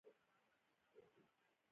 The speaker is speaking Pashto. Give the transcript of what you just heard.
چوکۍ د راحت نښه ده.